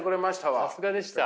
さすがでした。